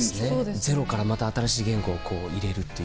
ゼロからまた新しい言語を入れるっていう。